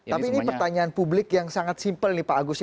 tapi ini pertanyaan publik yang sangat simpel nih pak agus